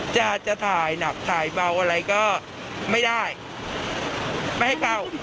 จะจะถ่ายหนักถ่ายเบาอะไรก็ไม่ได้ไม่ให้เข้า